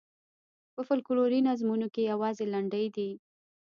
په فوکلوري نظمونو کې یوازې لنډۍ دي.